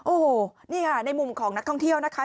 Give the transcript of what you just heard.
โอ้โหนี่ค่ะในมุมของนักท่องเที่ยวนะคะ